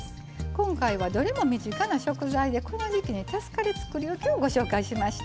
今回はどれも身近な食材でこの時期に助かるつくりおきをご紹介しました。